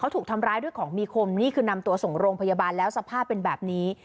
ถูกทำร้ายด้วยของมีคมนี่คือนำตัวส่งโรงพยาบาลแล้วสภาพเป็นแบบนี้